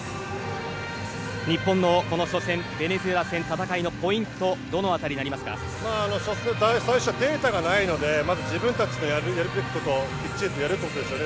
日本の初戦ベネズエラ戦、戦いのポイントは最初、データがないのでまず自分たちのやるべきことをきっちりやるということですよね。